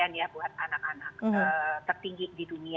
karena kita tahu bahwa kita punya banyak anak anak yang tertinggi di dunia